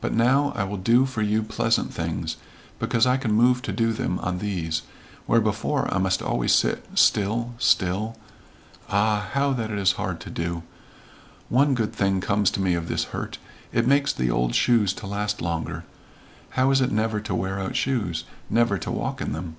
But now will I do for you pleasant things, because I can move to do them on these, where before I must always sit still still Ah, how that is hard to do! One good thing comes to me of this hurt. It makes the old shoes to last longer. How is it never to wear out shoes? Never to walk in them."